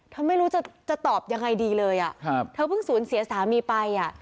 ไม่รู้จะตอบยังไงดีเลยอ่ะครับเธอเพิ่งสูญเสียสามีไปอ่ะ